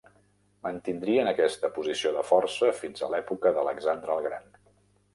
Mantindrien aquesta posició de força fins a l'època d'Alexandre el Gran.